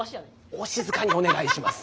お静かにお願いします。